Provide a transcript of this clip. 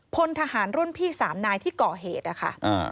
พลธหารร่วมพี่สามนายที่เกาะเหตุอ่ะค่ะ